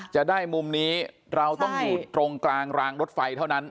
จะได้มุมนี้เราต้องอยู่ตรงกลางรางรถไฟเท่านั้น